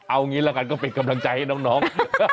เอางี้ละกันก็เป็นกำลังใจให้น้อง